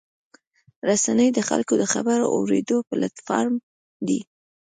رسنۍ د خلکو د خبرو اورېدو پلیټفارم دی.